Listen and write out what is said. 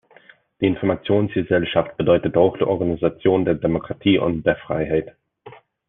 Die Informationsgesellschaft bedeutet auch die Organisation der Demokratie und der Freiheit.